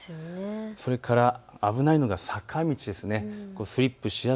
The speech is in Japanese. それから危ないのが坂道です。